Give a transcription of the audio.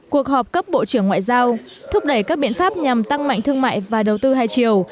cuộc họp cấp bộ trưởng ngoại giao thúc đẩy các biện pháp nhằm tăng mạnh thương mại và đầu tư hai chiều